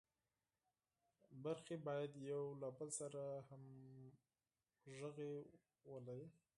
برخې باید یو له بل سره همغږي ولري.